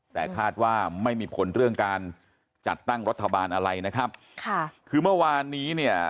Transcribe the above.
แต่คาดว่าไม่มีผลเรื่องการจัดตั้งรัฐบาลอะไรนะครับค่ะคือเมื่อวานนี้เนี่ย